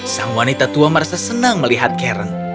sang wanita tua merasa senang melihat karen